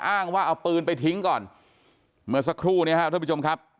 อ้างว่าเอาปืนไปทิ้งก่อนเมื่อสักครู่เนี่ยครับท่านผู้ชมครับ